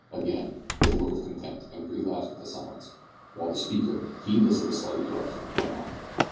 again, with a look of contempt, and relapsed into silence, while the speaker, heedless of the slight interruption, went on.